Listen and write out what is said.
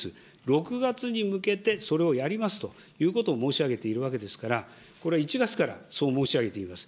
６月に向けて、それをやりますということを申し上げているわけですから、これ、１月からそう申し上げております。